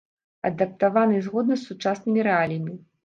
Адаптаваны згодна з сучаснымі рэаліямі.